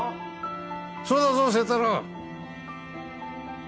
そうだぞ星太郎。